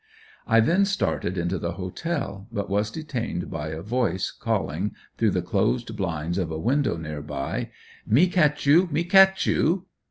I then started into the Hotel, but was detained by a voice calling, through the closed blinds of a window near by: "Me ketch you! Me ketch you!"